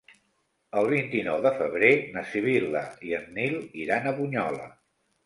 El vint-i-nou de febrer na Sibil·la i en Nil iran a Bunyola.